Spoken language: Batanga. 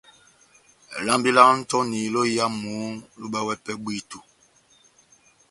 Lambi lá Antoni lóyamu lohibɛwɛ pɛhɛ bwíto.